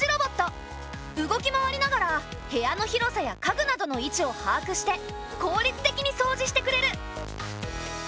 動き回りながら部屋の広さや家具などの位置を把握して効率的に掃除してくれる。